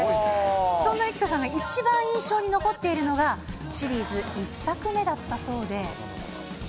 そんな生田さんが一番印象に残っているのが、シリーズ１作目だったそうで。